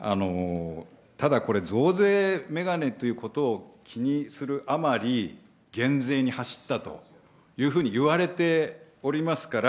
ただ、これ、増税メガネということを気にするあまり、減税に走ったというふうに言われておりますから。